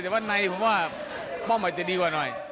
แต่ว่าในผมว่าป้อมอาจจะดีกว่าหน่อย